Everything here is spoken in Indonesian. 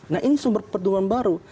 nah ini sumber pertumbuhan baru